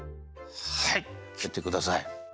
はいきってください。